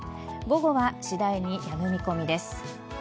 午後は次第にやむ見込みです。